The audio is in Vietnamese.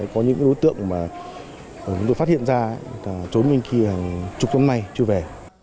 có những đối tượng mà chúng tôi phát hiện ra trốn bên kia chục năm nay chưa về